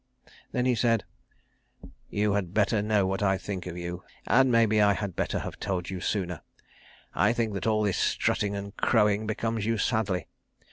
He then said, "You had better know what I think of you, and maybe I had better have told you sooner. I think that all this strutting and crowing becomes you sadly.